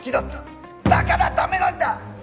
だから駄目なんだ！